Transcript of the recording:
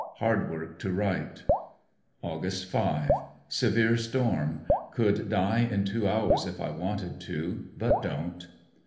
Hard work to write. Aug. 5. — Severe storm. Could die in two hours if I wanted to, but don't.